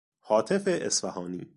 هاتف اصفهانی